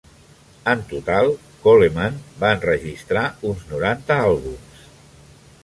En total, Coleman va enregistrar uns noranta àlbums.